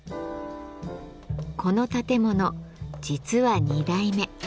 この建物実は２代目。